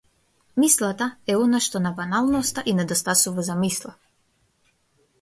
Мислата е она што на баналноста и недостасува за мисла.